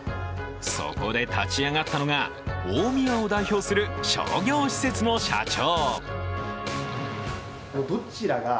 そこで立ち上がったのが大宮を代表する商業施設の社長。